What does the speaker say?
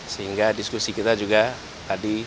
sehingga diskusi kita juga tadi